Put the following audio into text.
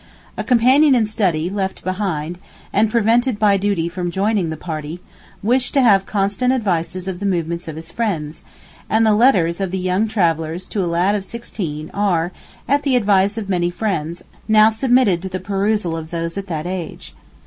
A companion in study, left behind, and prevented by duty from joining the party, wished to have constant advices of the movements of his friends; and the letters of the young travellers to a lad of sixteen are, at the advice of many friends, now submitted to the perusal of those at that age.